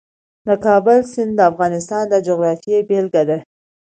د کابل سیند د افغانستان د جغرافیې بېلګه ده.